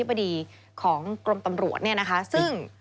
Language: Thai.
สวัสดีครับคุณผู้ชมค่ะต้อนรับเข้าที่วิทยาลัยศาสตร์